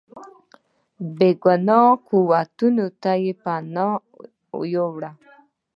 بېګانه قوتونو ته یې پناه وړې.